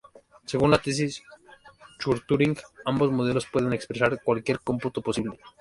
Según la tesis de Church-Turing, ambos modelos pueden expresar cualquier cómputo posible.